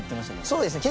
そうですね。